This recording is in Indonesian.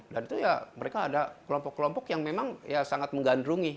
dan itu ya mereka ada kelompok kelompok yang memang ya sangat menggandrungi